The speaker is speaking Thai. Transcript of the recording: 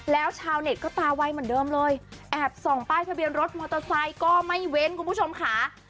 แล้วชาวเน็ตก็ตาไวเหมือนเดิมเลยแอบส่องป้ายทะเบียนรถมอเตอร์ไซค์ก็ไม่เว้นคุณผู้ชมค่ะ